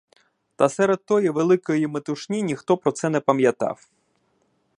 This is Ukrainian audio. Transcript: Та серед тої великої метушні ніхто про це не пам'ятав.